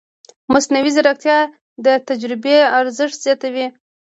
مصنوعي ځیرکتیا د تجربې ارزښت زیاتوي.